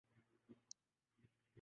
کمزور لوگ برداشت نہیں ہوتے